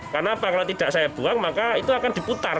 karena kalau tidak saya buang maka itu akan diputar